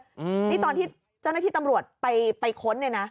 นี่ตอนที่เจ้าหน้าที่ตำรวจไปค้นเนี่ยนะ